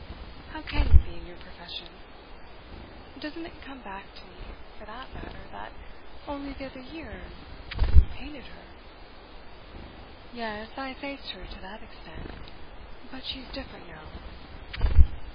How can you be, in your profession? Doesn't it come back to me, for that matter, that only the other year you painted her?" "Yes, I faced her to that extent. But she's different now."